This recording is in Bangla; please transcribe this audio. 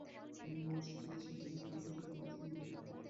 আমি লক্ষ করলাম শুরুতে তুমি শুধু কান্না শুনতে।